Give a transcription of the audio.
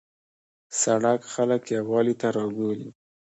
سړک خلک یووالي ته رابولي.